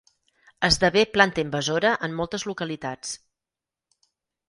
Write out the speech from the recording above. Esdevé planta invasora en moltes localitats.